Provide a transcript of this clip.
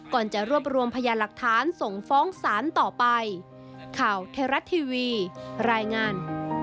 ก่อนจะรวบรวมพยานหลักฐานส่งฟ้องศาลต่อไปข่าวไทยรัฐทีวีรายงาน